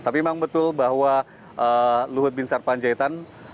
tapi memang betul bahwa luhut bin sarpanjaitan